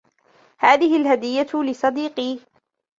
هذه الهدية لصديقي.